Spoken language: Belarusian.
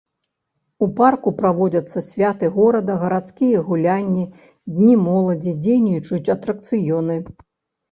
У парку праводзяцца святы горада, гарадскія гулянні, дні моладзі, дзейнічаюць атракцыёны.